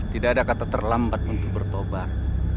tidak ada kata terlambat untuk bertobat